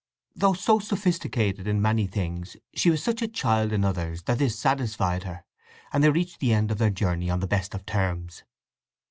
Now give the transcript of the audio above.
Though so sophisticated in many things, she was such a child in others that this satisfied her, and they reached the end of their journey on the best of terms.